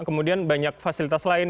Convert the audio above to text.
kemudian banyak fasilitas lain